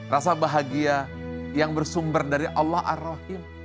rasa bahagia yang bersumber dari allah ar rahim